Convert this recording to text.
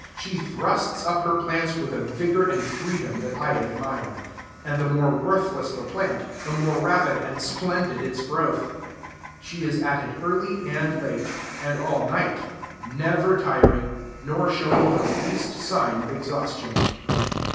She thrusts up her plants with a vigor and freedom that I admire; and the more worthless the plant, the more rapid and splendid its growth. She is at it early and late, and all night; never tiring, nor showing the least sign of exhaustion.